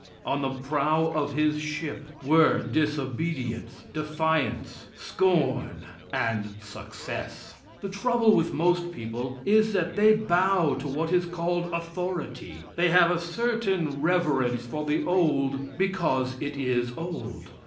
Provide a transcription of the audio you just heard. On the prow of his ship were disobedience, defiance, scorn and success. The trouble with most people is that they bow to what is called authority; they have a certain reverence for the old because it is old.